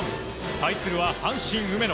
対するは阪神、梅野。